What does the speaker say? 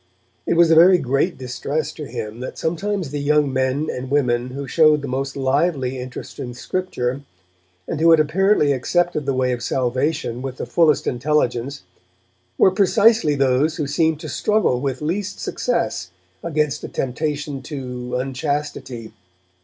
It was a very great distress to him that sometimes the young men and women who showed the most lively interest in Scripture, and who had apparently accepted the way of salvation with the fullest intelligence, were precisely those who seemed to struggle with least success against a temptation to unchastity.